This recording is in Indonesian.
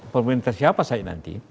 pemerintah siapa saja nanti